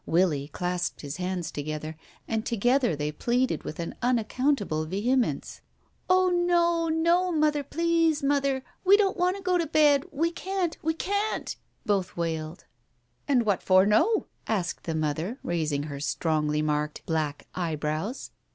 Willie clasped his hands to gether, and together they pleaded with an unaccountable vehemence. ... "Oh, no, no, Mother; please, Mother — we don't want to go to bed. We can't ! We can't !" both wailed. "And what for no?" asked the mother, raising her strongly marked black eyebrows.